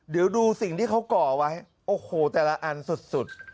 เดี๋ยวดูสิ่งที่เขาก่อไว้โอ้โหแต่ละอันสุด